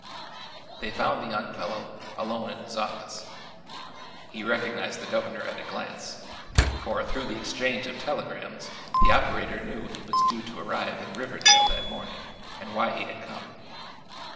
They found the young fellow alone in his office. He recognized the governor at a glance, for through the exchange of telegrams the operator knew he was due to arrive in Riverdale that morning and why he had come.